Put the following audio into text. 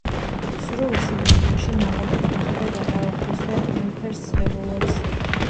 სრულ სიმწიფეში ნაყოფი ყვითლდება და ოქროსფერ ელფერს ღებულობს.